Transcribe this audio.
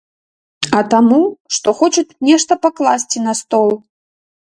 А таму, што хочуць нешта пакласці на стол.